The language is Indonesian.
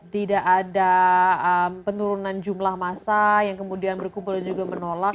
tidak ada penurunan jumlah masa yang kemudian berkumpul dan juga menolak